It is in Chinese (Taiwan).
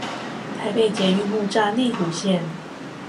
台北捷運木柵內湖線